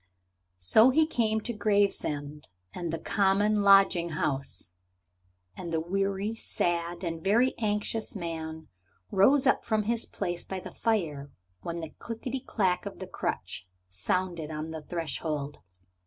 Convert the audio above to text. So he came to Gravesend and the common lodging house, and a weary, sad, and very anxious man rose up from his place by the fire when the clickety clack of the crutch sounded on the threshold.